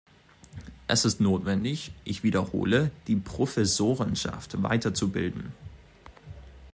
Es ist notwendig ich wiederhole -, die Professorenschaft weiterzubilden.